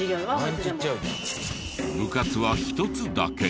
部活は１つだけ。